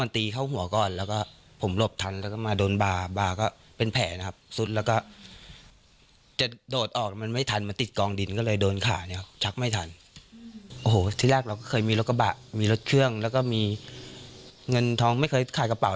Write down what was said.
โอ้โหที่แรกเราก็เคยมีรถกระบะมีรถเครื่องแล้วก็มีเงินทองไม่เคยขาดกระเป๋